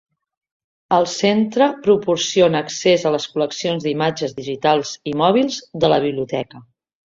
El centre proporciona accés a les col·leccions d'imatges digitals i mòbils de la Biblioteca.